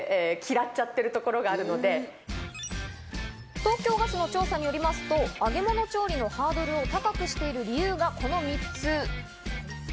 東京ガスの調査によりますと、揚げ物調理のハードルを高くしている理由がこの３つ。